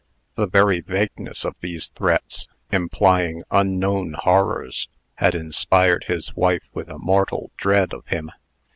The very vagueness of these threats, implying unknown horrors, had inspired his wife with a mortal dread of him.